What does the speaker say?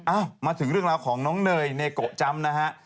มาถึงเรื่องราวของน้องเนยเนโกะจำนะฮะ